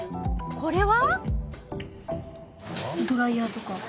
これは？